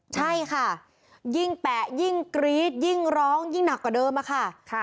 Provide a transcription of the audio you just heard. ใช่ค่ะยิ่งแปะยิ่งกรี๊ดยิ่งร้องยิ่งหนักกว่าเดิมอะค่ะ